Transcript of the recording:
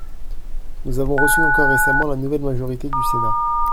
Nous avons reçu encore récemment la nouvelle majorité du Sénat.